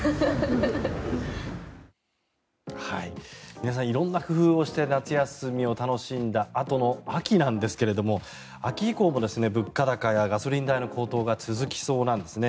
皆さん、色んな工夫をして夏休みを楽しんだあとの秋なんですけれども、秋以降も物価高やガソリン代の高騰が続きそうなんですね。